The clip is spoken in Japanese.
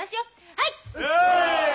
はい！